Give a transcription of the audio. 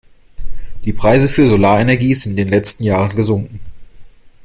Die Preise für Solarenergie sind in den letzten Jahren gesunken.